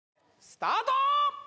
スタート！